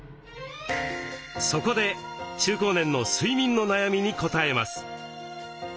そこで中高年の睡眠の悩みにこたえます。